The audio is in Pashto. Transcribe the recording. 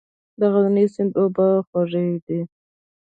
د غزني سیند اوبه خوږې دي